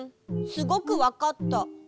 すごくわかった。